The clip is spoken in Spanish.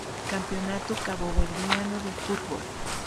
Campeonato caboverdiano de fútbol